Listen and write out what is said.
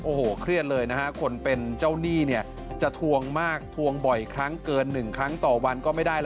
โอ้โหเครียดเลยนะฮะคนเป็นเจ้าหนี้เนี่ยจะทวงมากทวงบ่อยครั้งเกิน๑ครั้งต่อวันก็ไม่ได้ละ